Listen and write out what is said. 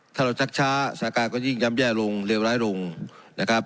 ถ้าเราชักช้าสถานการณ์ก็ยิ่งย้ำแย่ลงเลวร้ายลงนะครับ